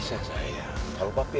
jalan terus nih boy